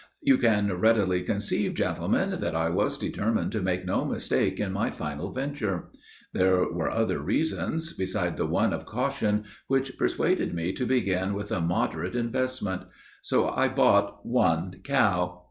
"You can readily conceive, gentlemen, that I was determined to make no mistake in my final venture. There were other reasons, beside the one of caution, which persuaded me to begin with a moderate investment; so I bought one cow.